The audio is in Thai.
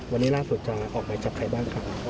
วันนี้ล่าสุดจะออกหมายจับใครบ้างครับ